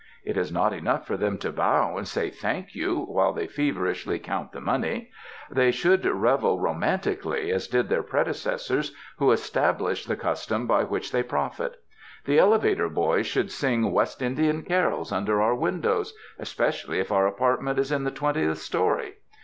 It is not enough for them to bow, and say, "Thank you," while they feverishly count the money. They should revel romantically, as did their predecessors who established the cus tom by which they profit. The elevator boys should sing West Indian carols under our windows — espe cially if our apartment is in the twentieth story.